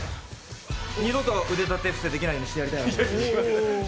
二度と腕立て伏せできないようにしてやろうかと思いますね。